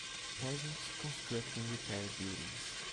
Peasants construct and repair buildings.